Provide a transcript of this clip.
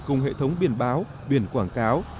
cùng hệ thống biển báo biển quảng cáo